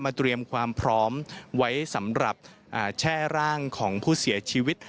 เตรียมความพร้อมไว้สำหรับแช่ร่างของผู้เสียชีวิต